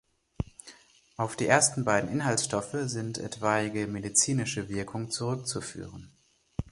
Auf die ersten beiden Inhaltsstoffe sind etwaige medizinische Wirkungen zurückzuführen.